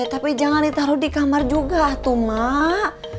tapi jangan ditaruh di kamar juga tuh mak